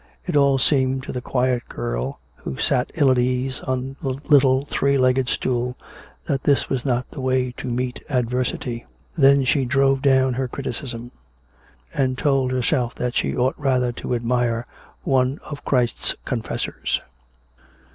It all seemed to the quiet girl, who sat ill at ease on the little three legged stool, that this was not the way to meet ad versity. Then she drove down her criticism; and told her self that she ought rather to admire one of Christ's con fessors.